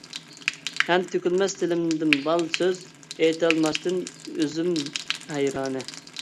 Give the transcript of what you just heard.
ھەم تۆكۈلمەس تىلىمدىن بال سۆز، ئېيتالماستىن ئۆزۈم ھەيرانە.